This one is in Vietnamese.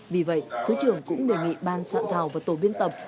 vì vậy thứ trưởng cũng đề nghị ban soạn thảo và tổ biên tập